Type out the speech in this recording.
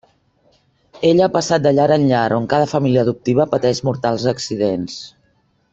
Ell ha passat de llar en llar on cada família adoptiva pateix mortals accidents.